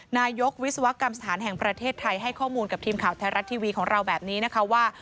นายกวิศวกรรมสถานแห่งประเทศไทยให้ข้อมูลกับทีมข่าวไทยรัฐทีวีของเราแบบนี้นะคะว่า